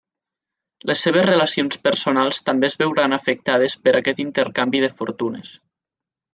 Les seves relacions personals també es veuran afectades per aquest intercanvi de fortunes.